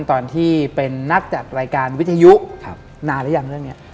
ตอนที่เป็นนักจัดรายการวิทยุนานหรือยังเรื่องนี้